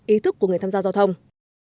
ý thức của người tham giao giao thông